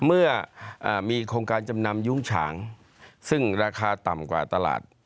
เมื่อมีโครงการจำนำยุ้งฉางซึ่งราคาต่ำกว่าตลาด